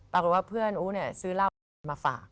แต่เพื่อนอูซื้อเล่ามาฝาก